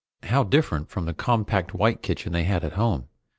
How different from the compact white kitchen they had at home!